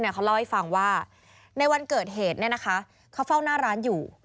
เขาเล่าให้ฟังว่าในวันเกิดเหตุเขาเฝ้าหน้าร้านอยู่